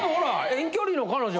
遠距離の彼女。